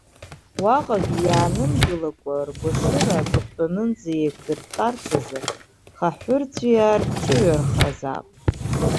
Уаҟагьы иаанымгылакәа, ргәашыра аҵыхәтәанынӡа еиқәдыртәарц азы, хаҳәырҵәиаа рҿыҩархазаап.